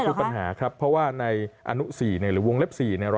คือปัญหาครับเพราะว่าในอนุ๔หรือวงเล็บ๔